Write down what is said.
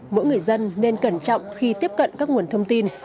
mỗi người dân nên cẩn trọng khi tiếp cận các nguồn thông tin